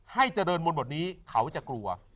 ให้เจริญมนต์บทนี้เขาจะกลัว